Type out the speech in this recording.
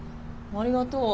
ありがとう。